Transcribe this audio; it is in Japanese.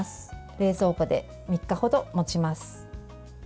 冷蔵庫で３日ほどもちます。